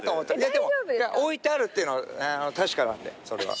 でも置いてあるっていうのは確かなんでそれは。